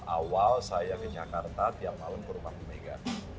sembilan puluh enam awal saya ke jakarta tiap tahun ke rumah bumega